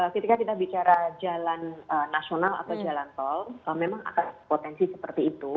ketika kita bicara jalan nasional atau jalan tol memang akan potensi seperti itu